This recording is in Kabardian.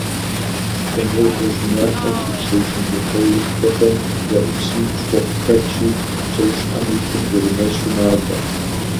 Комодо щӏыналъэм щыпсэу шындрыхъуоушхуэхэм я ӏупсым щхъухь хэлъщи, псэущхьэм и лъым зэрынэсу малӏэ.